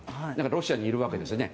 ロシアにいるわけですよね。